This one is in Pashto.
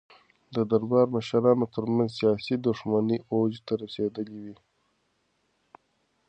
د دربار د مشرانو ترمنځ سیاسي دښمنۍ اوج ته رسېدلې وې.